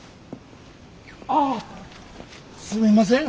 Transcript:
ああっすみません！